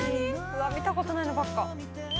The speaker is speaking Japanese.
うわ見たことないのばっか。